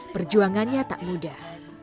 perjuangannya tak mudah